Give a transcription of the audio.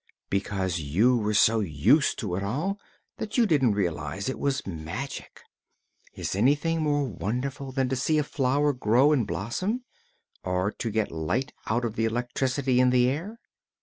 "Because you were so used to it all that you didn't realize it was magic. Is anything more wonderful than to see a flower grow and blossom, or to get light out of the electricity in the air?